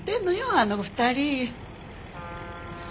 あの２人。